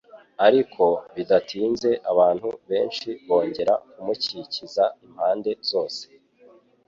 Ariko bidatinze abantu benshi bongera kumukikiza impande zose.